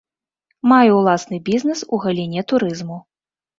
Маю ўласны бізнэс у галіне турызму.